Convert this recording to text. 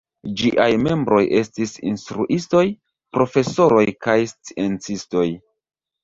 Ĝiaj membroj estis instruistoj, profesoroj kaj sciencistoj.